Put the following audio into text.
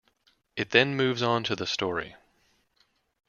It then moves on to the story.